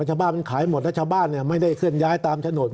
ชาวบ้านมันขายหมดแล้วชาวบ้านเนี่ยไม่ได้เคลื่อนย้ายตามถนน